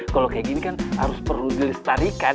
kalau kayak gini kan harus perlu disetar ikan